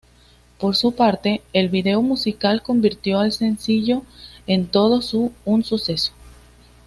Por su parte, el video musical convirtió al sencillo en todo un suceso.